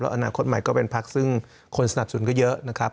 อนาคตใหม่ก็เป็นพักซึ่งคนสนับสนุนก็เยอะนะครับ